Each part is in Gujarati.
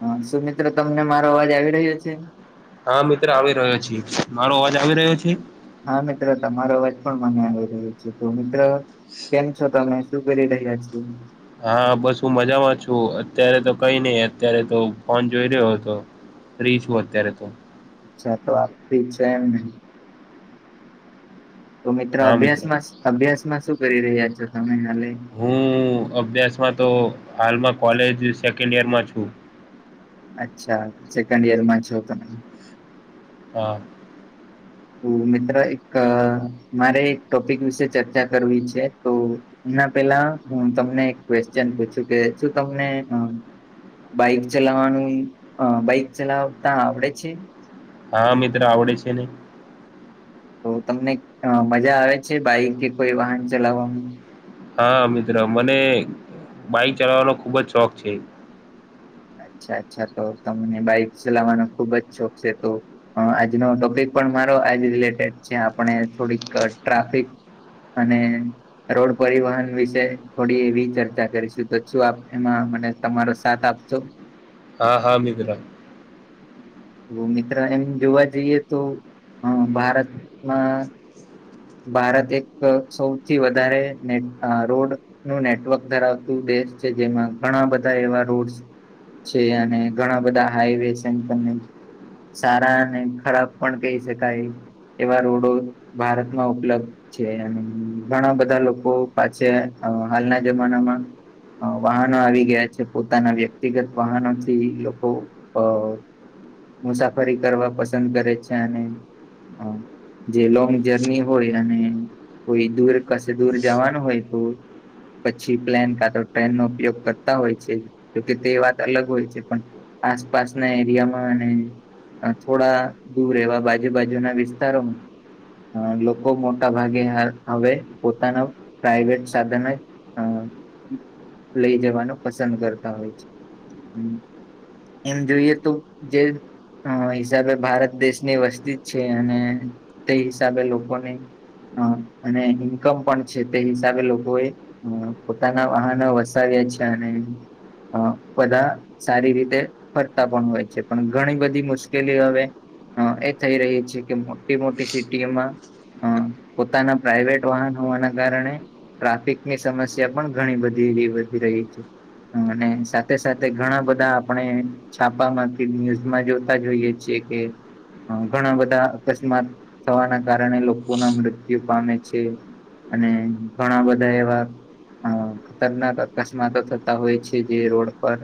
હા સુું મિત્રો તમને મારો અવાજ આવી રહ્યો છે હા મિત્ર આવી રહ્યો છ મારો અવાજ આવી રહ્યો છે હા મિત્ર તમારો વાત પણ મને આવી રહ્યો છે તો મિત્ર કેમ છો તમે શું કરી રહ્યા છો હા બસ હું મજામાં છું અત્યારે તો કઈ નઈ અત્યારે તો ફોન જોઈ રહ્યો હતો ર્રીશું અત્યારે તો અચ્છા તો આપતી છે એમ તો મિત્રો અભ્યાસમાં અભ્યાસમાં શું કરી રહ્યા છો તમે હ હું અભ્યાસમાં તો હાલમાં કોલેજ સેકન્ડ ઈયરમાં છું અચ્છા સેકન્ડ યર માંતો નહી હા તો મિત્ર એક મારે એક ટોપિક વિશે ચર્ચા કરવી છે તો એના પેલા હું તમને એક ક્વેશ્ચન પૂછું કે શું તમને બાઈક ચલાવવાનું બાઈક ચલાવતા આવડે છે હા મિત્ર આવડે છે નહી તો તમને મજા આવે છે બાઈક કે કોઈ વાહન ચલાવવાવામાં હા મિત્ર મને બાઈક ચલાવવાનો ખુબ જ શોખ છે અચ્છા અચ્છા તો તમને બાઈક ચલાવવાનો ખુબ જ શોખ છે તો આજનો ટોપિક પણ મારો આજ રિલેટેડ છે આપણે થોડીક ટ્રાફિક અને રોડ પરિવહન વિશે થોડી એવી ચર્ચા કરીશું તો શું આપ એમાં મને તમારો સાથ આપ તો હા હા મિ બિરા તો મિત્ર એમ જોવા જઈએ તો ભારતમાં ભારત એક સૌથી વધારેને રોડ નું નેટવર્ક ધરાવતું દેશ છે જેમાં ઘણા બધા એવા રોડ છે અને ઘણા બધા હાઈવે એમ સારા અને ખરાબ પણ કહી શકાય એવા રોડો ભારત હા ઉપલબ્ધ છે અને ઘણા બધા લોકો પાછે હાલના જમાનામાં અહ વાહનો આવી ગયા છે પોતાના વ્યક્તિગત વાહનો થી લોકો અ મુસાફરી કરવા પસંદ કરે છે અને અહ જે લોંગ જર્ની હોય અને કોઈ દૂર કશે દૂર જવાનું હોય તો પછી પ્લેન કા તો ટ્રેન નો ઉપયોગ કરતા હોય છે જોકે તે વાત અલગ હોય છે પણ આસપાસના એરિયામાં અને અહ થોડા દૂર એવા બાજુ બાજુના વિસ્તારો બહુ મોટા ભાગે હા હવે પોતાના પ્રાઈવેટ સાધને હ લઈ જવાનું પસંદ કરતા હોય છે હમ્મ. એમ જોઈએ તો જે અહ હિસાબે ભારત દેશની વસ્તી જ છે અને તે હિસાબે લોકો ને અહ અને ઇન્કમ પણ છે તે હિસાબે લોકો એ અહ પોતાના વાહનો વસાવ્યા છે અને અહ બધા સારી રીતે ફરતા પણ હોય છે. પણ ઘણી બધી મુશ્કેલી હવે હ એ થઈ રહી છે કે મોટી મોટી સિટીમાં અહ પોતાના પ્રાઈવેટ વાહન હોવાના કારણે ટ્રાફિક ની સમસ્યા પણ ઘણી બધી વધી રહી છે. અને સાથે સાથે ઘણા બધા આપણે છાપા માંથી ન્યૂઝમાં જોતા જોઈએ છેએ કે અહ ઘણા બધા અકસ્માત થવાના કારણે લોકો ના મૃત્યુ પામે છે. અને અહ ઘણા બધા એવા અહ ખતરનાક અકસ્માતો થતા હોય છે જે રોડ પર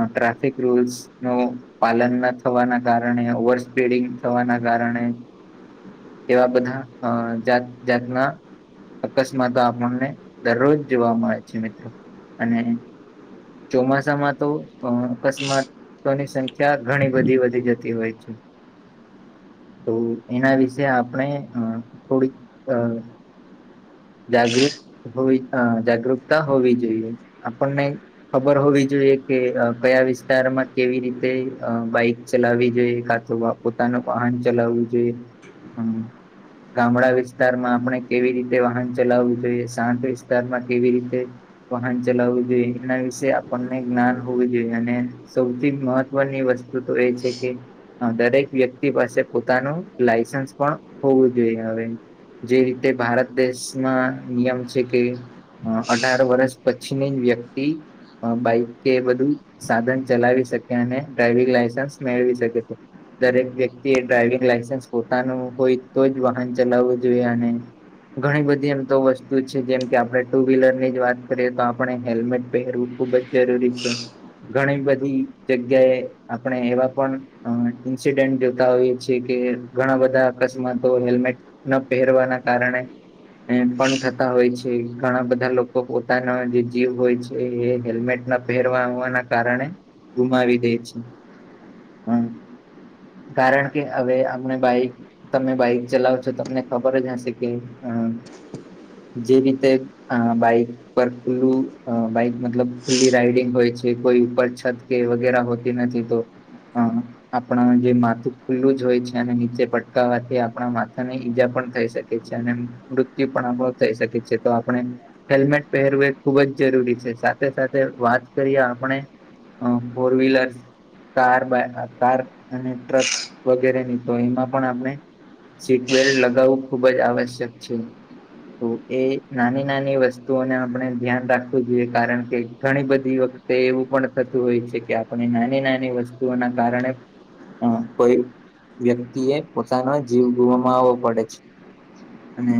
અહ ટ્રાફિક રૂલ્સ નું પાલન ના થવાના કારણે ઓવર સ્પીડિંગ થવાના કારણે એવા બધા અહ જાત જાતના અકસ્માતો આપણને દરરોજ જોવા મળે છે મિત્રો અને ચોમાસામાં તો અહ અકસ્માત તોની સંખ્યા ઘણી બધી વધી જતી હોય છે. તો એના વિશે આપણે અહ થોડીક અહ જાગૃત હો અહ જાગૃતતા હોવી જોઈએ આપણને ખબર હોવી જોઈએ કે અહ કયા વિસ્તારમાં કેવી રીતે અહ બાઈક ચલાવવી જોઈએ કા તો પોતાનું વાહન ચલાવવું જોઈએ હમ્મ. ગામડા વિસ્તારમાં આપણે કેવી રીતે વાહન ચલાવવું જોઈએ સાંત વિસ્તારમાં કેવી રીતે વાહન ચલાવવું જોઈએ એના વિશે આપણને જ્ઞાન હોવું જોઈએ અને સૌથી મહત્વની વસ્તુ તો એ છે કે અહ દરેક વ્યક્તિ પાસે પોતાનું લાયસન્સ પણ હોવું જોઈએ હવે જે રીતે ભારત દેશમાં નિયમ છે કે અહ અઢાર વર્ષ પછીની જ વ્યક્તિ અહ બાઈક કે બધું સાધન ચલાવી શકે અને ડ્રાઈવિંગ લાયસન્સ મેળવી શકે તો દરેક વ્યક્તિ એ ડ્રાઈવિંગ લાયસન્સ પોતાનું હોય તો જ વાહન ચલાવવું જોઈએ અને ઘણી બધી એમ તો વસ્તુ છે જેમ કે આપડે ટુ વ્હીલર ની જ વાત કરીએ તો આપણે હેલ્મેટ પહેરવું ખુબ જ જરૂરી છે ઘણી બધી જગ્યાએ આપણે એવા પણ અહ ઇન્સિડેન્ટ જોતા હોયએ છીએ કે ઘણા બધા અકશ માં હેલ્મેટ ન પહેરવાના કારણે એ પણ થતા હોય છે ઘણા બધા લોકો પોતાના જે જીવ હોય છે એ હેલ્મેટ ના ભેરવા હોવાના કારણે ગુમાવી દે છે. [inaudible] કારણ કે હવે અમને બાઈક. તમે બાઈક ચલાવ છો તમને ખબર જ હશે કે અ જે રીતે. આ બાઈક પર ખુલ્લું, અ બાઈક મતલબ ખુલ્લી રાઈડિંગ હોય છે કોઈ ઉપર છત [unintelligible] વગે હોતી નથી તો આપણા જે માથું ખુલ્લું જ હોય છે અને નીચે પ [unintelligible] વાથી આપણા માથા ને ઈજા પણ થઈ શકે છે અને મૃત્યુ પણ આપણો થઈ શકે છે તો આપણે. હેલ્મેટ પહેરવો ખૂબ જ જરૂરી છે સાથે સાથે વાત કરીએ આપણે. હ ફોર વ્હીલર. કાર કાર અને ટ્રક વગેરે ની તો એમાં પણ આપણે સીટ બેલ્ટ લગાવવું ખુબ જ આવશ્યક છે. તો એ નાની નાની વસ્તુઓને આપણે ધ્યાન રાખવું જોઈએ કારણ કે ઘણી બધી વત. તે એવું પણ થતું હોય છે કે આપણે નાની નાની વસ્તુઓના કારણે હ કોઈ વ્યક્તિ એ પોતાનો જીવ ગુવામાં આવવો પડે છે અને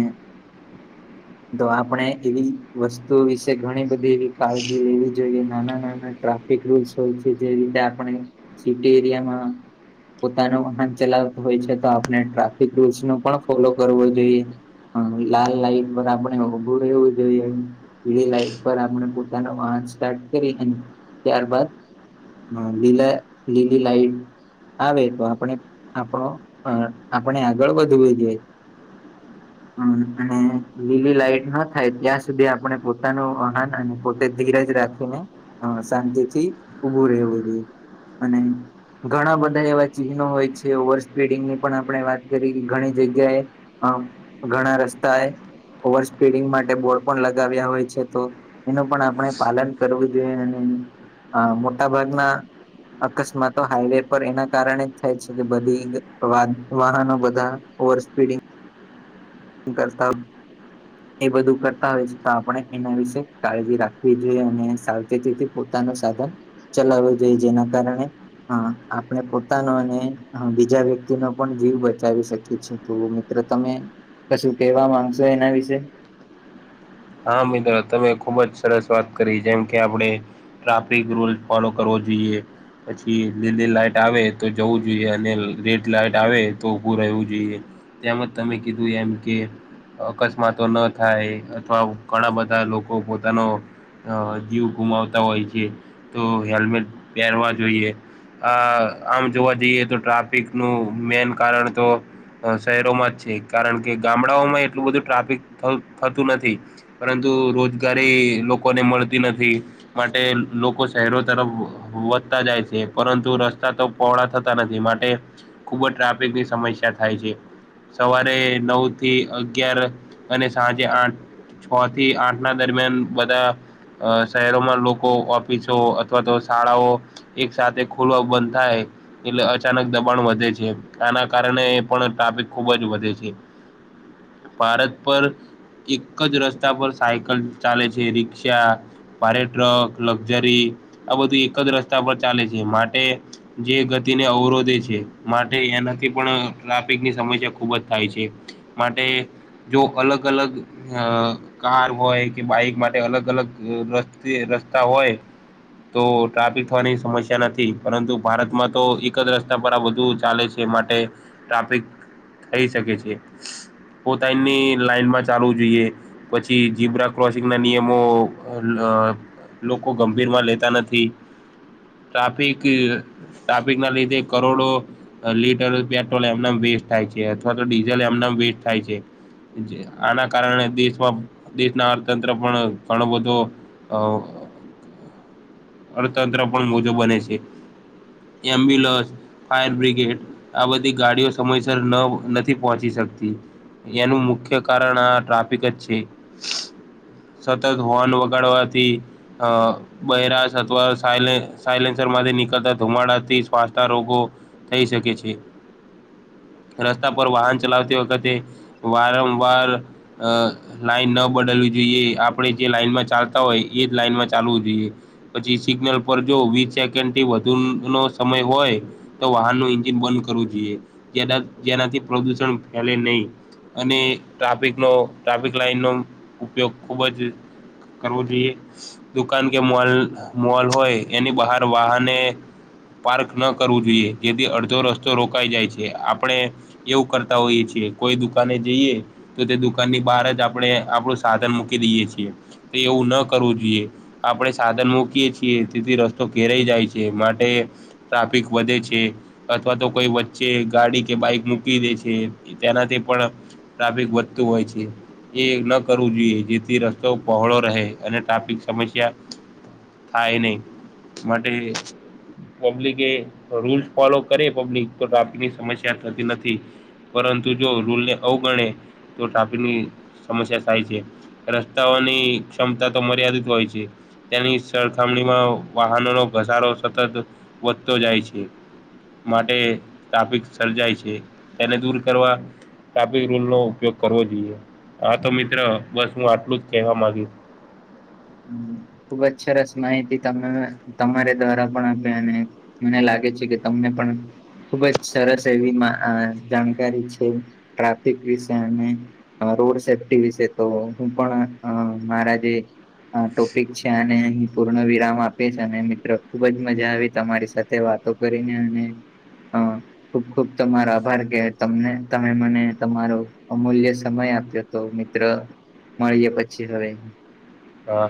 હ. તો આપણે એવી વસ્તુ વિશે ઘણી બધી એવી કાળજી લેવી જોઈએ નાના નાના ટ્રાફ રુલ્સ હોય છે જે રીતે આપણે સિટી એરિયામાં. પોતાનો વાહન ચલાવત હોય છે તો આપણે ટ્રાફિક રૂલ્સ ન પણ ફોલો કરવો જોઈએ. હા લાલ લાઈટ પર આપણે ઉભું રહેવું જોઈએ. પીડી લાઈટ પર આપણે પોતાનો વાહન સ્ટાર્ટ કરી અને ત્યારબદ. હ લીલા લીલી લાઈટ આવે તો આપણે આપણો. હ આપણે આગળ વધવું જોએ. હમ. હમ અને લીલી લાઈટ ના થાય ત્યાં સુધી આપણે પોતાનું આહન [unintelligible] અને પોતે ધીરજ રાખીને શાંતિથી ઉભું રહેવું જોઈએ. અને ઘણા બધા એવા ચિહ્નો હોય છે ઓવર સ્પીડિંગની. પણ આપણે વાત કરી કે ઘણી જગ્યાએ ઘણા રસ્તાએ ઓવર સ્પીડિંગ માટે બોર્ડ પણ લગાવ્યા હોય છે તો. એનું પણ આપણે પાલન કરવું જોઈએ હા મોટા ભાગના. અકસ્માતો હાઈવે પર એના કારણે જ થાય છે કે બધી. વાહનો [unintelligible] બધા ઓવર સ્પીડિંગ. કરતા. હ. એ બધું કરતા હોય છે તો આપણે એના વિશે કાળજી રાખવી જોઈએ અને સાવચેતીથી પોતાનું સાધન. ચલાવવું જોઈએ જેના કારણે. હા આપણે પોતાનો અને બીજા વ્યક્તિ નો પણ જીવ બચાવી શકીીએ. તો મિત્ર તમે કશું કેવા માંગશો એના વિશે હા મિત્રો તમે ખુબ જ સરસ વાત કરી જેમ કે આપણે. ટ્રાફિક રૂલ ફોલો કરવો જોઈએ. પછી લીલી લાઈટ આવે તો જવું જોઈએ અને રેડ લાઈટ આવે તો ઉભું રહેવું જોઈએ. તેમજ તમે કીધું એમ કે અકસ્માતો ન થાય. અથવા ઘણા બધા લોકો પોતાનો. અ જીવ ગુમાવતા હોય છે તો હેલ્મેટ પહેરવા જોઈએ. અ આમ જોવા જઈએ તો ટ્રાફિક નું મેન કારણ તો શહેરોમાં જ છે કારણ કે ગામડાઓમાં એટલું બધું ટ્રાફિક થતું નથી. પરંતુ રોજગારી લોકોને મળતી નથી. માટે લોકો શહેરો તરફ વધતા જાય છે પરંતુ રસ્તા તો પહોળા થતા નથી માટે, ખુબ જ ટ્રાફિકની સમસ્યા થાય છે સવારે નવથી અગિયાર અને સાંજે આઠ છો થી આઠ ના દરમિયાન બધા અહ શહેરોમાં લોકો ઓફિસો અથવા તો શાળાઓ એક સાથે ખોલવા બંધ થાય એટલે અચાનક દબાણ વધે છે આના કારણે એ પણ ટ્રાફિક ખુબ જ વધે છે. ભારત પર એક એક જ રસ્તા પર સાયકલ ચાલે છે રિક્ષા ભારે ટ્રક લક્ઝરી આ બધું એક જ રસ્તા પર ચાલે છે માટે જે ગતિને અવરોધે છે માટે એનાથી પણ ટ્રાફિકની સમસ્યા ખુબ જ થાય છે. માટે જો અલગ અલગ અ કાર હોય કે બાઈક માટે અલગ અલગ રસ્તે રસ્તા હોય તો ટ્રાફિક થવાની સમસ્યા નથી પરંતુ ભારતમાં તો એક જ રસ્તા પર આ બધું ચાલે છે. માટે ત્રાફીક‌ થઈ શકે છે પોતાની લાઈનમાં ચાલું જોઈએ પછી જીબ્રા ક્રોસિંગના નિયમો લોકો ગંભીર માં લેતા નથી ટ્રાફિક ટાપિક ના લીધે કરોડો લીટર પેટ્રોલ એમના વેસ્ટ થાય છે અથવા તો ડીઝલ એમના વેસ્ટ થાય છે. આના કારણે દેશમાં દેશના અર્થતંત્ર પણ ઘણો બધો અ [unintelligible] અર્થતંત્ર પણ મોજું બને છે. એમ્બ્યુલન્સ ફાયર બ્રિગેડ આ બધી ગાડીઓ સમયસર નથી પહોંચી શકતી એનું મુખ્ય કારણ આ ટ્રાફિક જ છે. સતત હોર્ન વગાડવાથી અ બરાશ અથવા સાયલેન્સર માંથી નીકળતા ધુમાડાથી શ્વાસના રોગો થઈ શકે છે રસ્તા પર વાહન ચલાવતી વખતે વારં વાર અ લાઈન ન બદલવી જોઈએ આપણે જે લાઈનમાં ચાલતા હોય એ જ લાઈનમાં ચાલવું જોઈએ પછી સિગ્નલ પર જો વીસ સેકન્ડ થી વધુ નો સમય હોય તો વાહન ન એન્જિન બંધ કરવું જોઈએ. જેનાથી પ્રદુષણ ફેલે નહી અને ટ્રાફિકનો ટ્રાફિક લાઈન નો ઉપયોગ ખુબ જ કરવો જોઈએ દુકાન કે મોલ મોલ હોય એની બહાર વાહને પાર્ક ન કરવું જોઈએ જેથી અડધો રસ્તો રોકાઈ જાય છે આપણે એવું કરતા હોઈએ છીએ કોઈ દુકાને જઈએ તો તે દુકાનની બહાર જ આપણે આપણું સાધન મૂકી દઈએ છીએ તો એવું ન કરવું જોઈએ આપણે સાધન મૂકીએ છીએ તેથી રસ્તો ઘેરાઈ જાય છે માટે ટ્રાફિક વધે છે. અથવા તો કોઈ વચ્ચે ગાડી કે બાઈક મૂકી દે છે, તેનાથી પણ ટ્રાફિક વધતું હોય છે. એ ન કરવું જોઈએ જેથી રસ્તો પહોળો રહે અને ટ્રાફિક સમસ્યા થાય નહી માટે પબ્લિક એ રૂલ્સ ફોલો કરે પ્લિક તો ટ્રાફિકની સમસ્યા થતી નથી પરંતુ જો રૂલને અવ ગ તો ટ્રાફિકની સમસ્યા થાય છે રસ્તાઓની ક્ષમતા તો મર્યાદિત હોય છે. તેની સરખામણીમાં વાહનોનો ઘસારો સતત વધતો જાય છે. માટે ટાફિક સર્જાય છે તેને દૂર કરવા રૂલ નો ઉપયોગ કરવો જોઈએ, હા તો મિત્ર બસ હું આટલું જ કેવા માંગુ છૂ. ખુબ જ સરસ માહિતી તમે તમારી દ્વારા પણ આપે અને મને લાગે છે કે તમને પણ ખુબજ સરસ એવી જાણકારી છે, ટ્રાફિક વિશે અને રોડ સેફ્ટી વિશે તોહું પણ મારા જે, ટોપિક છે, અને અ પૂર્ણ વિરામ આપીશ અને મિત્રો ખુબ જ મજા આવી તમારી સાથે. તે વાતો કરીને અને અ હ [inaudible] ખુબ ખુબ તમારો આભાર કે તમને તમે મને તમારો અમૂલ્ય સમય આપ્યો તો મિત્ર મળીએ પછી હવે હા